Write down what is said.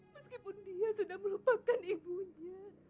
meskipun dia sudah melupakan ibunya